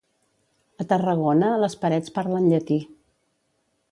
A Tarragona, les parets parlen llatí.